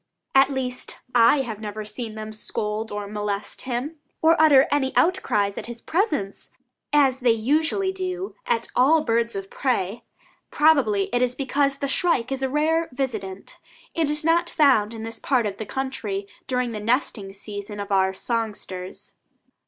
At least, I have never seen them scold or molest him, or utter any outcries at his presence, as they usually do at birds of prey. Probably it is because the shrike is a rare visitant, and is not found in this part of the country during the nesting season of our songsters.